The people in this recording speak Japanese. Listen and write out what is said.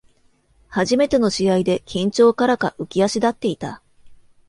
初めての試合で緊張からか浮き足立っていた